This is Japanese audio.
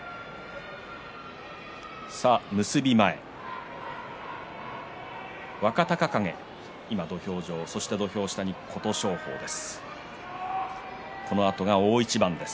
結び前、若隆景土俵上そして土俵下に琴勝峰です。